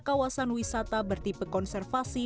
kawasan wisata bertipe konservasi